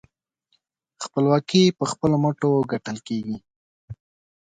خپلواکي په خپلو مټو ګټل کېږي.